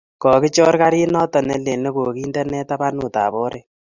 kikichor karit noto ne lel ne kokindene tabanutab oret